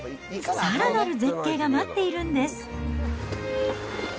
さらなる絶景が待っているんです。